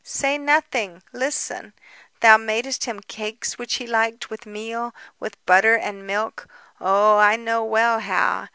Say nothing ... listen. Thou madest him cakes which he liked ... with meal, with butter and milk. Oh, I know well how.